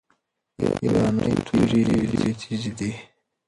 ایرانۍ توري ډیري تیزي دي.